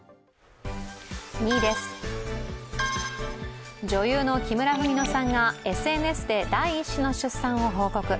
２位です、女優の木村文乃さんがＳＮＳで第１子の出産を報告。